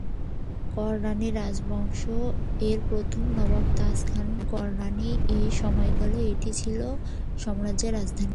কররানী রাজবংশ এর প্রথম নবাব তাজ খান কররানী এর সময়কালে এটি ছিল সাম্রাজ্যের রাজধানী।